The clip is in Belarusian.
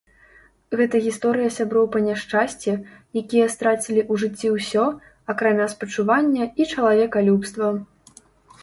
Гэта гісторыя сяброў па няшчасці, якія страцілі ў жыцці ўсё, акрамя спачування і чалавекалюбства.